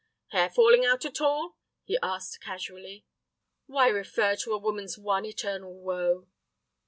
"Hair falling out at all?" he asked, casually. "Why refer to a woman's one eternal woe?"